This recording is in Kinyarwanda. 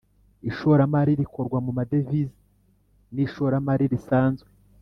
ishoramari rikorwa mu madevize n ishoramari risanzwe